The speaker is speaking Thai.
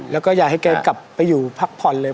แล้วก็อยากให้แกกลับไปอยู่พักผ่อนเลย